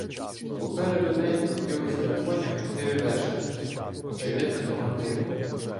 Попереду неї крутилися на конях чотири вершники, очевидно командири.